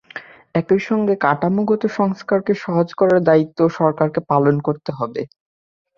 একই সঙ্গে কাঠামোগত সংস্কারকে সহজ করার দায়িত্বও সরকারকে পালন করতে হবে।